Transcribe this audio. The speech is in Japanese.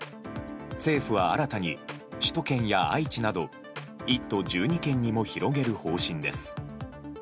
政府は、新たに首都圏や愛知など１都１２県にも広げる方針です。